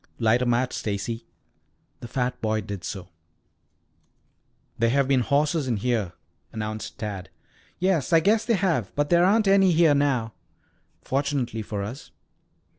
"Light a match, Stacy." The fat boy did so. "There have been horses in here," announced Tad. "Yes, I guess there have, but there aren't any here now." "Fortunately for us."